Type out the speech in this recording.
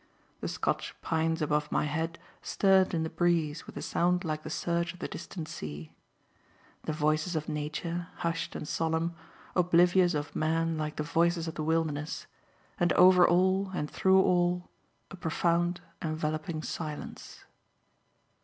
The Scotch pines above my head stirred in the breeze with a sound like the surge of the distant sea. The voices of Nature, hushed and solemn, oblivious of man like the voices of the wilderness; and over all and through all, a profound, enveloping silence.